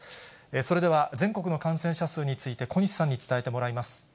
それでは、全国の感染者数について、小西さんに伝えてもらいます。